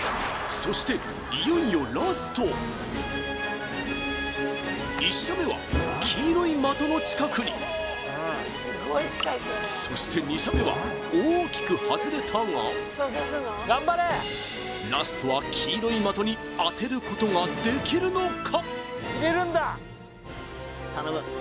そしていよいよラスト１射目は黄色い的の近くにそして２射目は大きく外れたがラストは黄色い的に当てることができるのか？